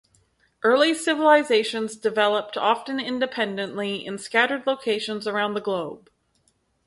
Early civilizations developed, often independently, in scattered locations around the globe.